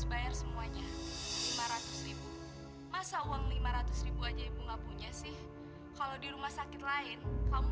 membayar semuanya lima ratus masa uang lima ratus aja ibu nggak punya sih kalau dirumah sakit lain kamu